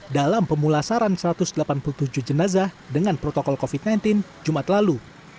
dalam pemulasaran satu ratus delapan puluh tujuh jenazah dengan protokol covid sembilan belas jumat lalu